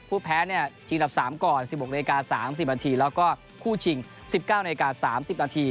ผู้แพ้ชิงดับ๓ก่อน๑๖น๓๐นแล้วก็คู่ชิง๑๙น๓๐น